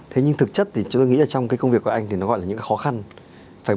thế nhưng thực chất thì tôi nghĩ trong cái công việc của anh thì nó gọi là những khó khăn phải